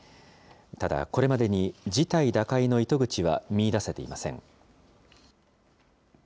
ただこれまでに事態打開の糸口は見いだせていません。